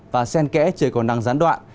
và sen kẽ trời còn nắng gián đoạn